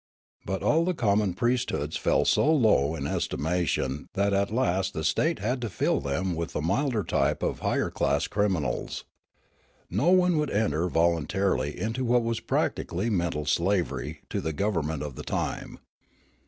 But all the common priesthoods fell so low in estimation that at last the state had to fill them with the milder type of higher class criminals. No one would enter volun tarily into what was practically mental slavery to the government of the time.